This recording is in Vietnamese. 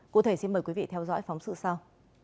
cô thầy xin mời quý vị theo dõi phóng sự sau